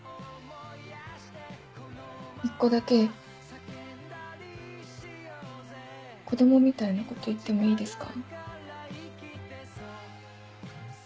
一個だけ子供みたいなこと言ってもいいですか？